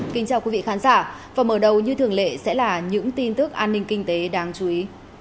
kính chào quý vị khán giả và mở đầu như thường lệ sẽ là những tin tức an ninh kinh tế đáng chú ý